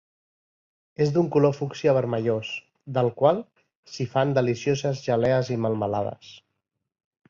És d'un color fúcsia vermellós, del qual s'hi fan delicioses gelees i melmelades.